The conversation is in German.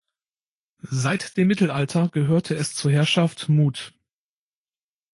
Seit dem Mittelalter gehörte es zur Herrschaft Mouthe.